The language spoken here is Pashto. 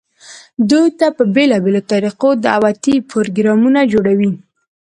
دوي ته په بيلابيلو طريقودعوتي پروګرامونه جوړووي،